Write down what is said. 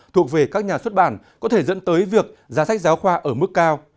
thuộc về các nhà xuất bản có thể dẫn tới việc giá sách giáo khoa ở mức cao